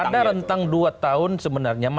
ada rentang dua tahun sebenarnya